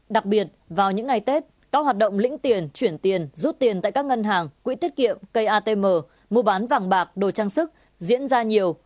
đặc biệt vào những ngày tết các hoạt động lĩnh tiền chuyển tiền rút tiền tại các ngân hàng quỹ tiết kiệm cây atm mua bán vàng bạc đồ trang sức diễn ra nhiều